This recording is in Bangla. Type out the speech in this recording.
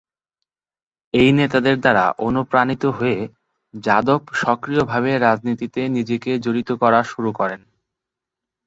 এই নেতাদের দ্বারা অনুপ্রাণিত হয়ে, যাদব সক্রিয়ভাবে রাজনীতিতে নিজেকে জড়িত করা শুরু করেন।